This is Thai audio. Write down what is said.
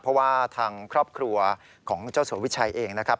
เพราะว่าทางครอบครัวของเจ้าสัววิชัยเองนะครับ